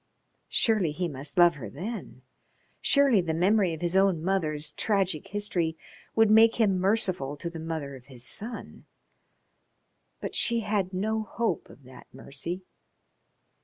Surely he must love her then. Surely the memory of his own mother's tragic history would make him merciful to the mother of his son. But she had no hope of that mercy.